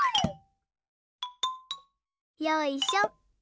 よいしょ。